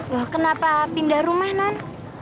loh kenapa pindah rumah non